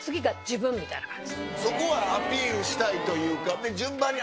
そこはアピールしたいというか。